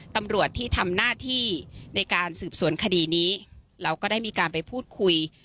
ตำรวจที่ทำหน้าที่ในการสืบสวนคดีนี้เราก็ได้มีการไปพูดคุย